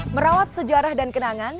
merawat sejarah dan kenangan